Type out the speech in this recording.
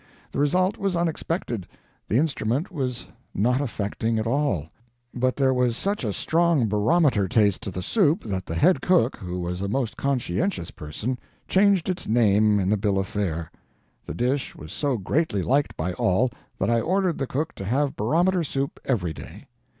The result was unexpected: the instrument was not affecting at all, but there was such a strong barometer taste to the soup that the head cook, who was a most conscientious person, changed its name in the bill of fare. The dish was so greatly liked by all, that I ordered the cook to have barometer soup every day.